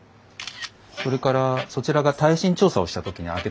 それからそちらが耐震調査をした時に開けたものなんですが。